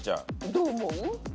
どう思う？